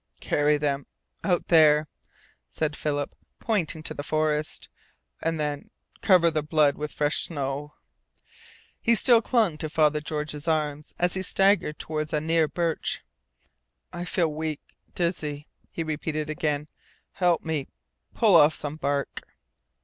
"Carry them out there," said Philip, pointing into the forest. "And then cover the blood with fresh snow." He still clung to Father George's arm as he staggered toward a near birch. "I feel weak dizzy," he repeated again. "Help me pull off some bark."